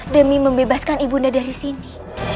demi membebaskan ibunda dari sini